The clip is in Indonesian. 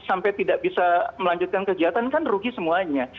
sampai tidak bisa melanjutkan kegiatan kan rugi semuanya